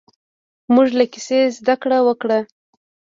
موږ له کیسې زده کړه وکړه.